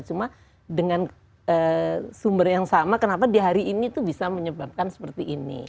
cuma dengan sumber yang sama kenapa di hari ini tuh bisa menyebabkan seperti ini